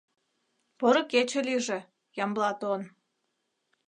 — Поро кече лийже, Ямблат он!